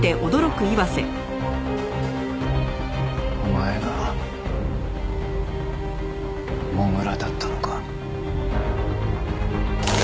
お前が土竜だったのか。